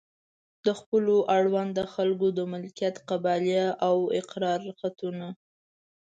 د خپلو اړونده خلکو د مالکیت قبالې او اقرار خطونه.